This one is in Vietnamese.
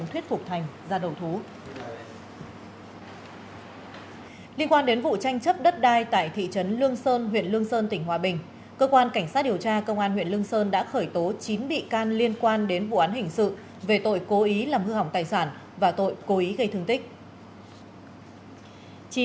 hôm nay tại thị trấn lương sơn huyện lương sơn tỉnh hòa bình cơ quan cảnh sát điều tra công an huyện lương sơn đã khởi tố chín bị can liên quan đến vụ án hình sự về tội cố ý làm hư hỏng tài sản và tội cố ý gây thương tích